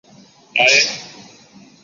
生于神奈川县川崎市。